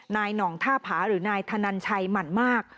นนท่าผาหรือนธนันชัยหมั่นมาก